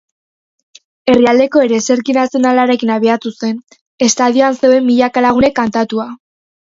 Herrialdeko ereserki nazionalarekin abiatu zen, estadioan zeuden milaka lagunek kantatua.